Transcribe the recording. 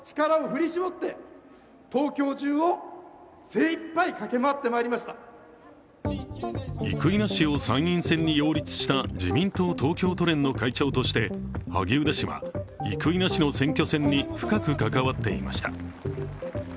生稲氏を参院選に擁立した自民党東京都連の会長として萩生田氏は生稲氏の選挙戦に深く関わっていました。